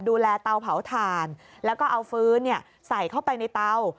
เตาเผาถ่านแล้วก็เอาฟื้นใส่เข้าไปในเตา